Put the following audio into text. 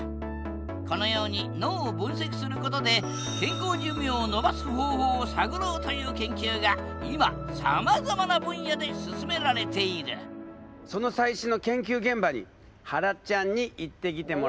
このように脳を分析することでという研究が今さまざまな分野で進められているその最新の研究現場にはらちゃんに行ってきてもらったよ。